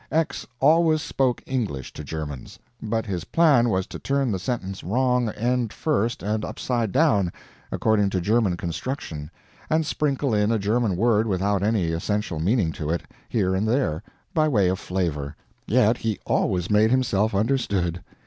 X always spoke English to Germans, but his plan was to turn the sentence wrong end first and upside down, according to German construction, and sprinkle in a German word without any essential meaning to it, here and there, by way of flavor. Yet he always made himself understood.